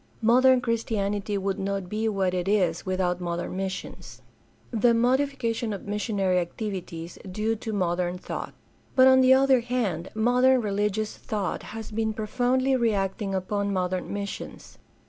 Modern Christianity would not be what it is without modern missions. The modification of missionary activities due to modem thought.— But on the other hand modern religious thought has been profoundly reacting upon modem missions.